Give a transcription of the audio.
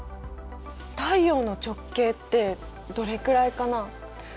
太陽の直径ってどれくらいかな？